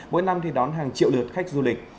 mỗi năm thì đón hàng triệu lượt khách du lịch